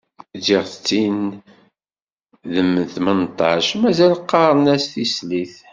Ǧǧiɣ-tt-in d mm tmenṭac, mazal qqaren-as "tislit".